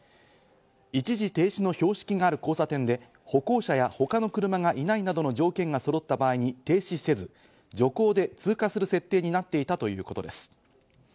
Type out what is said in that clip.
一時停止の標識がある交差点で、歩行者や他の車がいないなどの条件がそろった場合にて停止せず、徐行で通過する設定となっていたということです。